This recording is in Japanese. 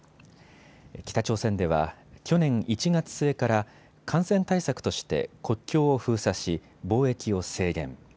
北朝鮮では去年１月末から感染対策として国境を封鎖し、貿易を制限。